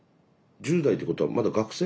１０代ってことはまだ学生？